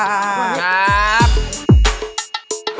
ครับ